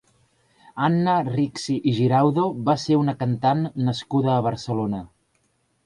Anna Ricci i Giraudo va ser una cantant nascuda a Barcelona.